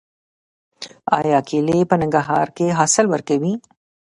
آیا کیلې په ننګرهار کې حاصل ورکوي؟